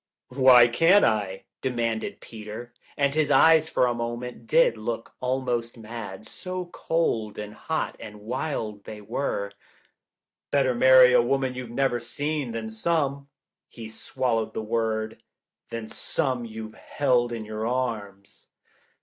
"W7hy can't I?" demanded Peter, and his eyes for a moment did look almost mad, so cold and hot and wild they were. "Better marry a woman you've never seen than some," he swallowed the word, " than some you've held in your arms.